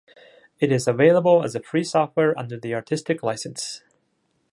It is available as a free software under the Artistic License.